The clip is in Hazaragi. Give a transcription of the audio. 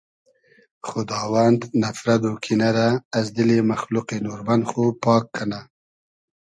خوداوند نفرت و کینۂ رۂ از دیلی مئخلوقی نوربئن خو پاگ کئنۂ